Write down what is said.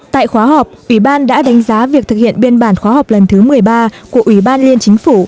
tại khóa họp ủy ban đã đánh giá việc thực hiện biên bản khóa học lần thứ một mươi ba của ủy ban liên chính phủ